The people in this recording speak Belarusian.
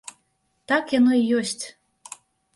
Так яно й ёсць.